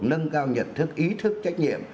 nâng cao nhận thức ý thức trách nhiệm